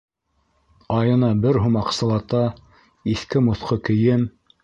Айына бер һум аҡсалата, иҫке-моҫҡо кейем.